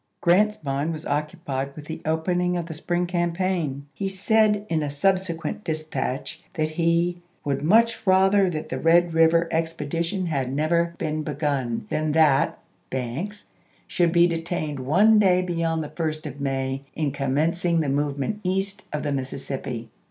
Grant's mind was occu pied with the opening of the spring campaign. He said in a subsequent dispatch that he " would much rather that the Red River expedition had never OLUSTEE AND THE BED EIVEE 291 been begun than that [Banks] should be detained chap.xi. one day beyond the 1st of May in commencing Report the movement East of the Mississippi."